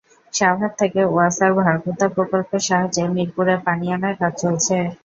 সাভার থেকে ওয়াসার ভাকুর্তা প্রকল্পের সাহায্যে মিরপুরে পানি আনার কাজ চলছে।